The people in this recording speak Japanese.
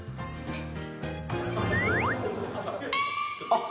あっ！